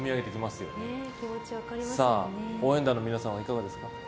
応援団の皆さんはいかがですか。